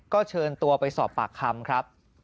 ก็เชิญตัวไปสอบปากคำครับ